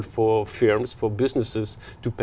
trong hai năm qua